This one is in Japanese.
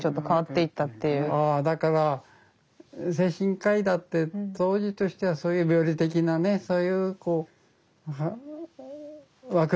だから精神科医だって当時としてはそういう病理的なそういう枠組みで見てたけどね